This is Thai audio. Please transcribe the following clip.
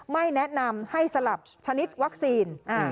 ไม่แนะนำให้สลับชนิดวัคซีน